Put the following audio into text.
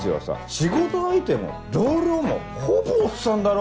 仕事相手も同僚もほぼおっさんだろ？